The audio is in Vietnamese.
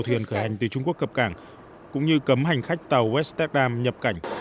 thuyền khởi hành từ trung quốc cập cảng cũng như cấm hành khách tàu west takdam nhập cảnh